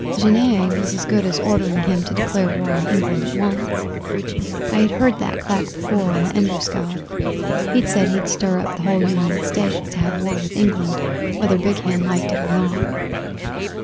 Genet was as good as ordering him to declare war on England at once. I had heard that clack before on the Embuscade. He said he'd stir up the whole United States to have war with England, whether Big Hand liked it or not.